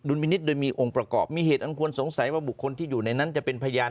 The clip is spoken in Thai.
ลมินิษฐ์โดยมีองค์ประกอบมีเหตุอันควรสงสัยว่าบุคคลที่อยู่ในนั้นจะเป็นพยาน